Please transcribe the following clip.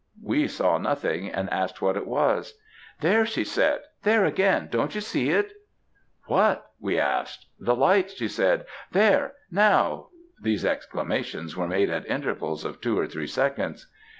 We saw nothing, and asked what it was. "'There!' she said. 'There again! don't you see it?' "'What?' we asked. 'The lights!' she said. 'There! Now!' These exclamations were made at intervals of two or three seconds.